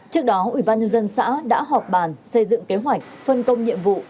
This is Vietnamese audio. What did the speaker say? trước đó ủy ban nhân dân xã đã họp bàn xây dựng kế hoạch phân công nhiệm vụ